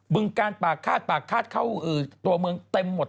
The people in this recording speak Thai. ึงการปากฆาตปากฆาตเข้าตัวเมืองเต็มหมด